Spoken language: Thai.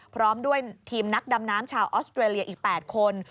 พร้อมด้วยทีมนักดำน้ำชาวออสเตรเลียอีก๘คน